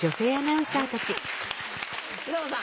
浦野さん。